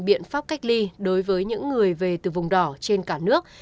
biện pháp cách ly đối với những người về từ vùng đỏ trên cả nước